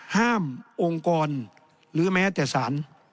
ห้ามองค์กรหรือแม้แต่ศาล